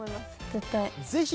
絶対。